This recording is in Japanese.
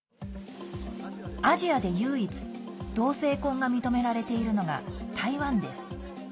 アジアで唯一、同性婚が認められているのが台湾です。